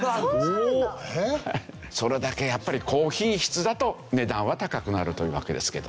それだけやっぱり高品質だと値段は高くなるというわけですけどね。